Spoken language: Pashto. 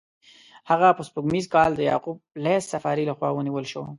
هغه په سپوږمیز کال کې د یعقوب لیث صفاري له خوا ونیول شو.